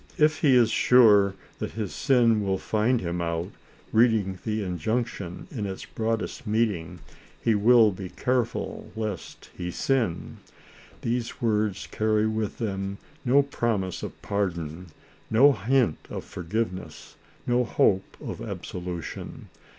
If he is sure that his sin will find him out, reading the injunction in its broadest meaning, he will be careful lest he sin. These words carry with them no prom ise of pardon, no hint of forgiveness, no hope of absolution.